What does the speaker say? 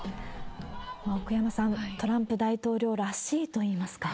奥山さん、トランプ大統領らしいといいますか。